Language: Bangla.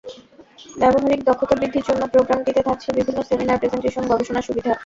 ব্যবহারিক দক্ষতা বৃদ্ধির জন্য প্রোগ্রামটিতে থাকছে বিভিন্ন সেমিনার, প্রেজেন্টেশন, গবেষণার সুবিধা।